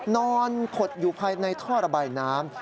นอนขดอยู่ภายในท่อระบายน้ำ